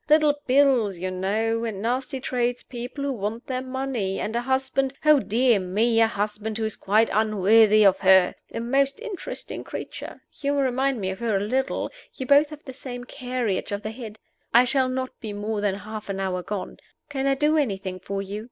Little bills, you know, and nasty tradespeople who want their money, and a husband oh, dear me, a husband who is quite unworthy of her! A most interesting creature. You remind me of her a little; you both have the same carriage of the head. I shall not be more than half an hour gone. Can I do anything for you?